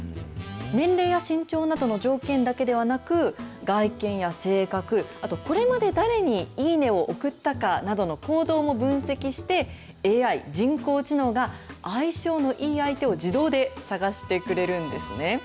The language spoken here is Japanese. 年齢や身長などの条件だけではなく、外見や性格、あと、これまで誰にいいねを送ったかなどの行動も分析して、ＡＩ・人工知能が、相性のいい相手を自動で探してくれるんですね。